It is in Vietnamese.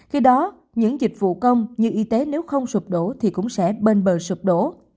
khi đó những dịch vụ công như y tế nếu không sụp đổ thì cũng sẽ bên bờ sụp đổ